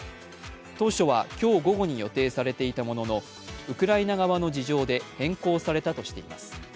当初は今日午後に予定されていたもののウクライナ側の事情で変更されたとしています。